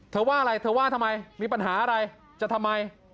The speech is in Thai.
ว่าอะไรเธอว่าทำไมมีปัญหาอะไรจะทำไม